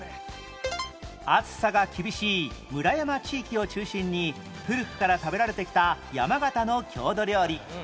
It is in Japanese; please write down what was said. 暑さが厳しい村山地域を中心に古くから食べられてきた山形の郷土料理